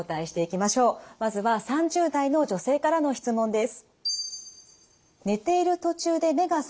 まずは３０代の女性からの質問です。